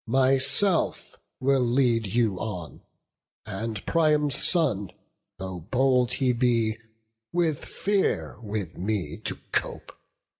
Myself will lead you on; and Priam's son, Though bold he be, will fear with me to cope.